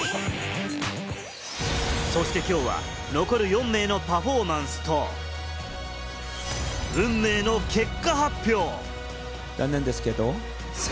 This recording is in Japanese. そしてきょうは残る４名のパフォーマンスと、運命の結果発表。